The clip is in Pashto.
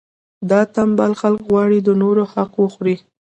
دا ټنبل خلک غواړي د نورو حق وخوري.